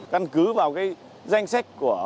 căn cứ vào cái danh sách của